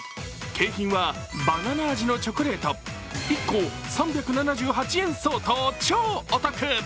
景品はバナナ味のチョコレート１個３８７円相当、超お得！